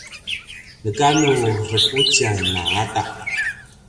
nekanu rekutjan angata